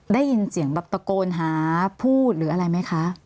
ได้ยินเสียงแบบตะโกนหาพูดหรืออะไรไหมคะ